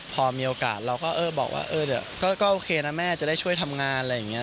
พอมีโอกาสเราก็เออบอกว่าเดี๋ยวก็โอเคนะแม่จะได้ช่วยทำงานอะไรอย่างนี้